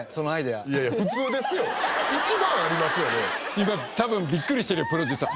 今多分ビックリしてるよプロデューサー。